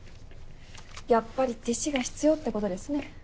やっぱり弟子が必要って事ですね。